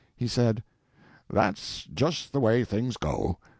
He said— "That's just the way things go.